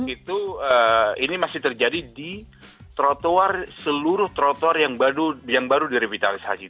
itu masih terjadi di seluruh trotoar yang baru direvitalisasi